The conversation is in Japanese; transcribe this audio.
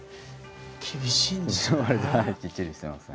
厳しいんですね。